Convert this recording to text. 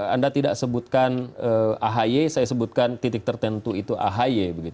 anda tidak sebutkan ahy saya sebutkan titik tertentu itu ahy